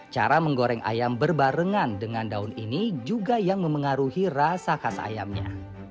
cara menggoreng ayam berbarengan dengan daun ini juga yang memengaruhi rasa khas ayamnya